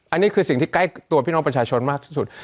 อันนี้คือสิ่งที่ใกล้ตัวพี่น้องประชาชนมากที่สุด